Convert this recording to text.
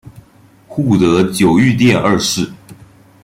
护得久御殿二世。